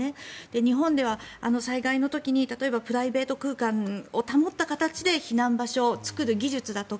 日本だと災害の時に例えばプライベート空間を保った形で人を助ける技術だとか